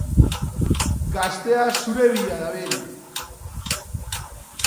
Gaztea zure bila dabil!